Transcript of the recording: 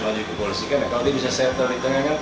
maju ke polisi kalau dia bisa settle di tengah